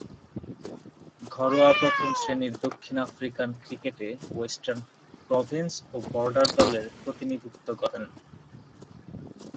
ঘরোয়া প্রথম-শ্রেণীর দক্ষিণ আফ্রিকান ক্রিকেটে ওয়েস্টার্ন প্রভিন্স ও বর্ডার দলের প্রতিনিধিত্ব করেন।